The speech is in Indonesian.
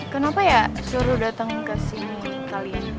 kenapa ya suruh dateng kesini kali ini